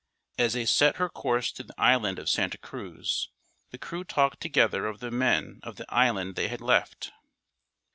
As they set her course to the Island of Santa Cruz the crew talked together of the men of the island they had left.